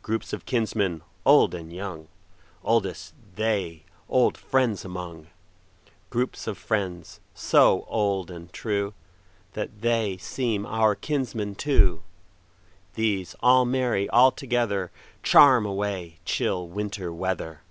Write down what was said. Groups of kinsmen, old and young, Oldest they old friends among; Groups of friends, so old and trueThat they seem our kinsmen too; These all merry all togetherCharm away chill Winter weather.